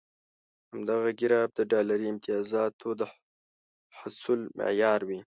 همدغه ګراف د ډالري امتیازاتو د حصول معیار وي.